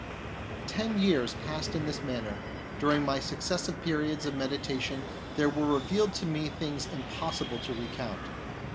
Ten years passed in this manner. During my successive periods of meditation there were re vealed to me things impossible to recount.